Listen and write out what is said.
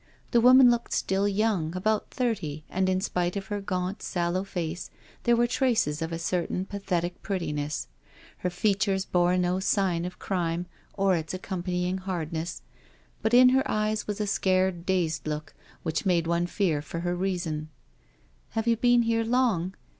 The woman looked still young, about thirty, and in spite of her gaunt, sallow face there were traces of a certain pathetic pretti ness. Her features bore no sign of crime or its accom panying hardness, but in her eyes was a scared, dazed look, which made one fear for her reason. " Have you been here long?